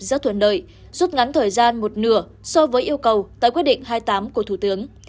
rất thuận lợi rút ngắn thời gian một nửa so với yêu cầu tại quyết định hai mươi tám của thủ tướng